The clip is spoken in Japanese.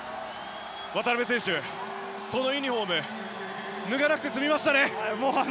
渡邊選手、そのユニホーム脱がなくて済みましたね。